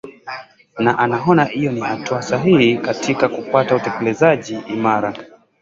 na anaona hiyo ni hatua sahihi katika kupata utekelezaji imara